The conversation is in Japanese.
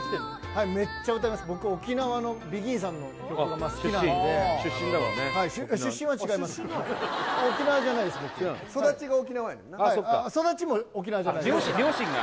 はいめっちゃ歌います僕沖縄のＢＥＧＩＮさんの曲が好きなんであっ出身なの？